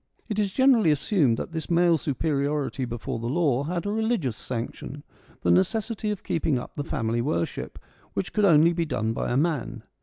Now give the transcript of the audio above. It is generally assumed that this male superiority before the law had a religious sanction, the necessity of keeping up the family worship, which could only be done by a man.